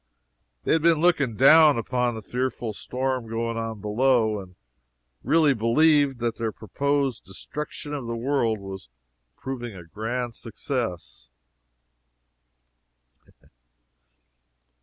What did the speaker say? They had been looking down upon the fearful storm going on below, and really believed that their proposed destruction of the world was proving a grand success.